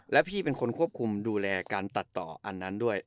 และพี่เป็นคนควบคุมดูแลการตัดต่ออันนั้นด้วย